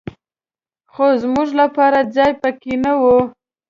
خو زمونږ لپاره ځای په کې نه و.